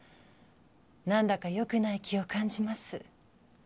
なんだかよくない気を感じます。